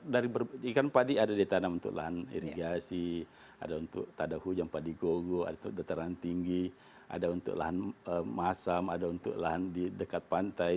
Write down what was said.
dari ikan padi ada ditanam untuk lahan irigasi ada untuk tada hujan padi gogo ada dataran tinggi ada untuk lahan masam ada untuk lahan di dekat pantai